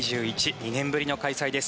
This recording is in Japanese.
２年ぶりの開催です。